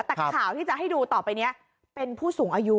แต่ข่าวที่จะให้ดูต่อไปนี้เป็นผู้สูงอายุ